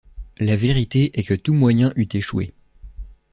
La vérité est que tout moyen eût échoué!